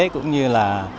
cũng như là